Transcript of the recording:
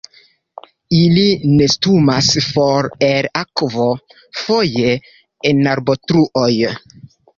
Ili nestumas for el akvo, foje en arbotruoj.